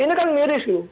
ini kan miris loh